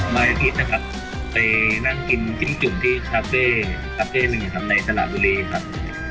มาอาทิตย์นะครับไปนั่งกินจิ้มจุ่มที่ทาเฟ่๑ในสลาบุรีครับ